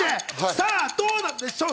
さあ、どうなんでしょう？